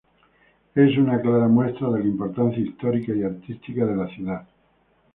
Es una clara muestra de la importancia histórica y artística de la ciudad.